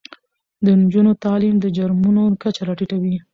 د نجونو تعلیم د جرمونو کچه راټیټوي.